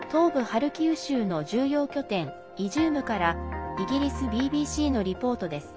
ハルキウ州の重要拠点イジュームからイギリスＢＢＣのリポートです。